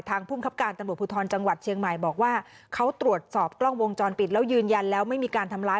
ภูมิครับการตำรวจภูทรจังหวัดเชียงใหม่บอกว่าเขาตรวจสอบกล้องวงจรปิดแล้วยืนยันแล้วไม่มีการทำร้าย